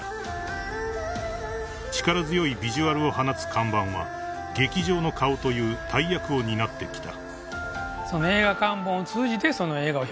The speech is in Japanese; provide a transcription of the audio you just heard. ［力強いビジュアルを放つ看板は劇場の顔という大役を担ってきた］